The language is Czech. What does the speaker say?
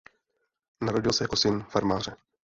Narodil se jako syn farmáře.